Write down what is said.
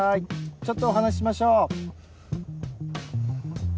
ちょっとお話しましょう。